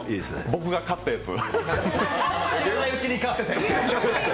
僕が勝ったやつ。